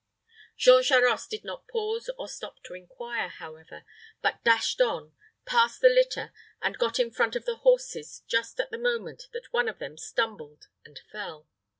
Jean Charost did not pause or stop to inquire, however, but dashed on, passed the litter, and got in front of the horses just at the moment that one of them stumbled and fell.